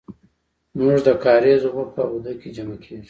زمونږ د کاریز اوبه په آوده کې جمع کیږي.